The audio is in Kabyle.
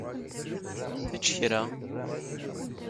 Ečč kra!